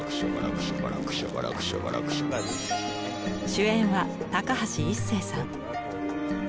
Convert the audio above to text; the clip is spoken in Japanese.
主演は高橋一生さん。